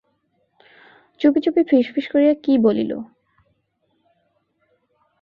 চুপি চুপি ফিস ফিস করিয়া কী বলিল।